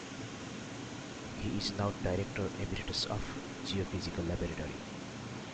He is now Director Emeritus of the Geophysical Laboratory.